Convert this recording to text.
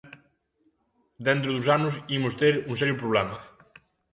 Dentro duns anos imos ter un serio problema.